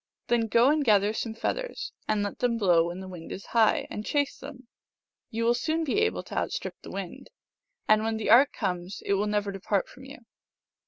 " Then go and gather some feathers, and let them blow when the wind is high, and chase them. You will soon be able to out strip the wind, and when the art comes it will never depart from you."